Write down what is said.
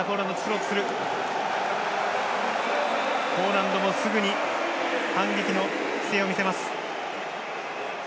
ポーランドもすぐに反撃の姿勢を見せます。